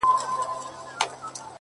لاس زما مه نيسه چي اور وانـــخــلـې ـ